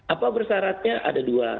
apa bersaratnya ada dua